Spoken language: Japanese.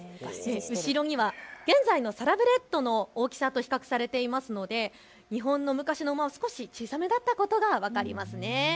後ろには現在のサラブレッドの大きさと比較されていますので日本の昔の馬は少し小さめだったことが分かりますね。